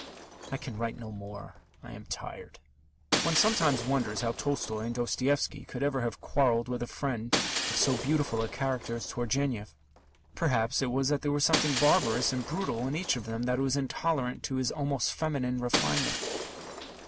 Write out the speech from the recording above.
I can write no more; I am tired. One sometimes wonders how Tolstoy and Dostoevsky could ever have quarrelled with a friend of so beautiful a character as Turgenev. Perhaps it was that there was something barbarous and brutal in each of them that was intolerant of his almost feminine refinement.